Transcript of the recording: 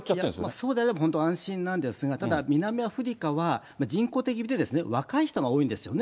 そうであれば本当、安心なんですけれども、ただ南アフリカは人口的にいって、若い人が多いんですね。